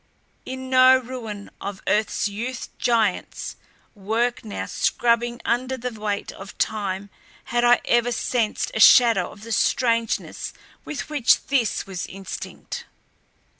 In no ruin of earth's youth giants' work now crumbling under the weight of time had I ever sensed a shadow of the strangeness with which this was instinct.